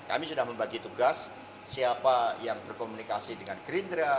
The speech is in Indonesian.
kami sudah membagi tugas siapa yang berkomunikasi dengan gerindra